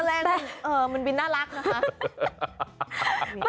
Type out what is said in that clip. แรงมันบินน่ารักนะคะ